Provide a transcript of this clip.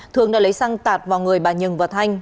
thương đã lấy xăng tạt vào người bà nhường và thanh